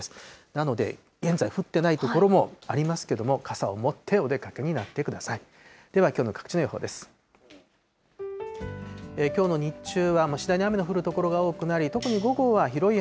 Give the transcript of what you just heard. なので、現在降ってない所もありますけれども、傘を持ってお出かけになってください。